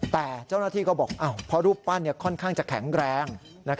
แต่เจ้าหน้าที่ก็บอกเพราะรูปปั้นค่อนข้างจะแข็งแรง